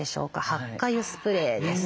ハッカ油スプレーです。